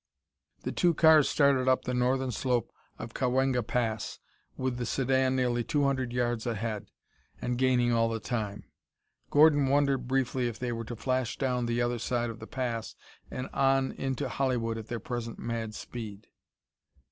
The two cars started up the northern slope of Cahuenga Pass with the sedan nearly two hundred yards ahead, and gaining all the time. Gordon wondered briefly if they were to flash down the other side of the Pass and on into Hollywood at their present mad speed.